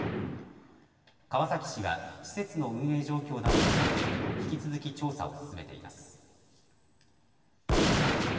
川崎市は施設の運営状況などについて引き続き調査を進めています。